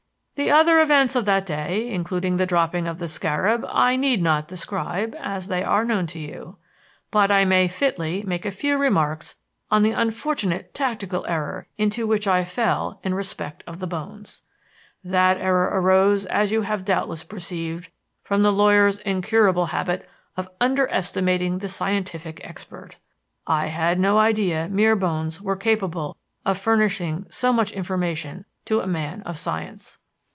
"The other events of that day, including the dropping of the scarab, I need not describe, as they are known to you. But I may fitly make a few remarks on the unfortunate tactical error into which I fell in respect of the bones. That error arose, as you have doubtless perceived, from the lawyer's incurable habit of underestimating the scientific expert. I had no idea mere bones were capable of furnishing so much information to a man of science.